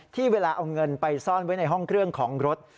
เวลาเอาเงินไปซ่อนไว้ในห้องเครื่องของรถ